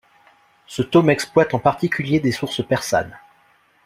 Ce tome exploite en particulier des sources persanes.